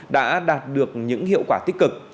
đã đạt được những hiệu quả tích cực